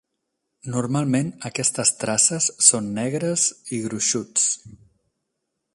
Normalment, aquestes traces són negres i gruixuts.